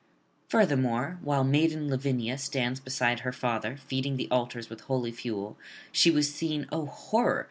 Furthermore, while maiden Lavinia stands beside her father feeding the altars with holy fuel, she was seen, oh, horror!